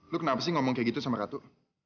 lu kenapa sih ngomong kayak gitu sama ratu